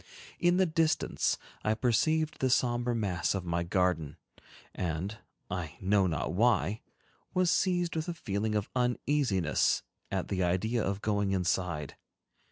In the distance, I perceived the somber mass of my garden, and, I know not why, was seized with a feeling of uneasiness at the idea of going inside.